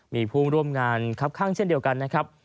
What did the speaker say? มีผู้ร่วมงานครับข้างเช่นเดียวกันนะครับ